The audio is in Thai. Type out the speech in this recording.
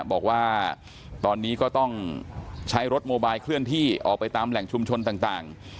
บอกว่าตอนนี้ก็ต้องใช้รถโมบายเคลื่อนที่ออกไปตามแหล่งชุมชนต่าง